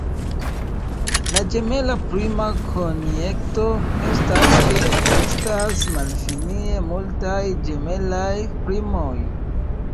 La ĝemela prima konjekto estas, ke ekzistas malfinie multaj ĝemelaj primoj.